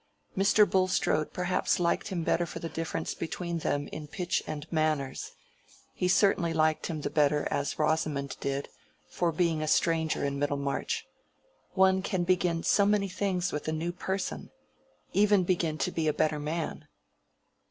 Mr. Bulstrode perhaps liked him the better for the difference between them in pitch and manners; he certainly liked him the better, as Rosamond did, for being a stranger in Middlemarch. One can begin so many things with a new person!—even begin to be a better man.